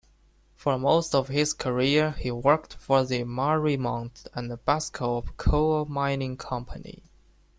For most of his career he worked for the Mariemont and Bascoup coal-mining company.